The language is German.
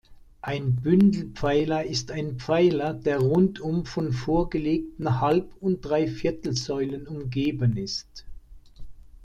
Ein Bündelpfeiler ist ein Pfeiler, der rundum von vorgelegten Halb- und Dreiviertelsäulen umgeben ist.